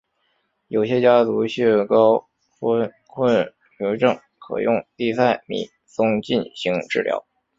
有些家族性高醛固酮症可用地塞米松进行治疗。